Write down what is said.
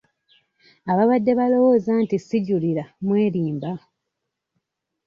Ababadde balowooza nti sijjulira mwerimba.